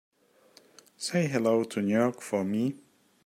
Say hello to New York for me.